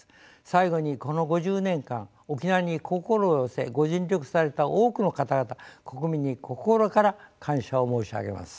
最後にこの５０年間沖縄に心を寄せご尽力された多くの方々国民に心から感謝を申し上げます。